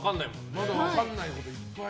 まだ分からないこといっぱい。